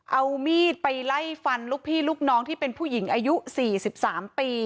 เอามีดไปไล่ฟันลูกพี่ลูกน้องที่เป็นผู้หญิงอายุ๔๓ปี